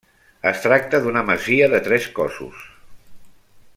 Es tracta d'una masia de tres cossos.